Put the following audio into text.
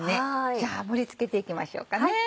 じゃあ盛り付けていきましょうかね。